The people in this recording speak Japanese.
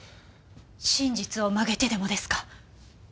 真実を曲げてでもですか？